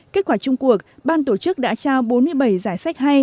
kết quả chung cuộc ban tổ chức đã trao bốn mươi bảy giải sách hay